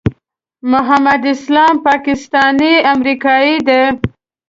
محمد اسلام پاکستانی امریکایی دی.